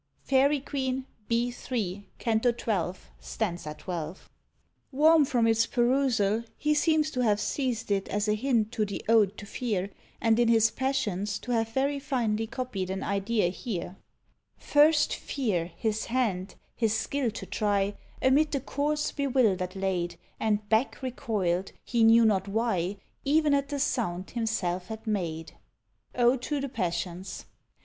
Faery Queen, B. iii. c. 12, s. 12. Warm from its perusal, he seems to have seized it as a hint to the Ode to Fear, and in his "Passions" to have very finely copied an idea here: First Fear, his hand, his skill to try, Amid the chords bewildered laid, And back recoil'd, he knew not why, E'en at the sound himself had made. Ode to the Passions.